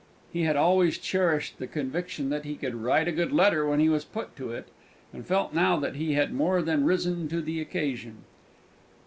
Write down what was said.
He had always cherished the conviction that he could "write a good letter when he was put to it," and felt now that he had more than risen to the occasion.